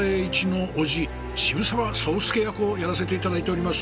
渋沢宗助役をやらせて頂いております